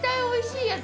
おいしい！